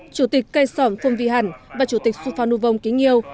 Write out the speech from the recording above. chủ tịch cây sòm phương vĩ hẳn và chủ tịch xu phong nhu vông kính nhiêu